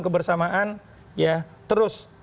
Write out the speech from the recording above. kebersamaan ya terus